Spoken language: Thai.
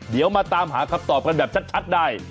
เดี๋ยวมาตามหาคำตอบกันแบบชัดได้